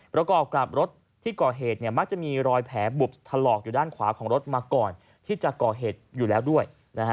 ประกอบกับรถที่ก่อเหตุมักจะมีรอยแผลบุบถลอกอยู่ด้านขวาของรถมาก่อนที่จะก่อเหตุอยู่แล้วด้วย